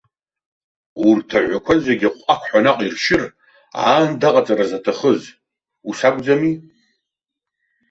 Урҭ аҳәақәа зегьы аҟәақҳәа наҟ иршьыр, аанда аҟаҵара заҭахыз, ус акәӡами?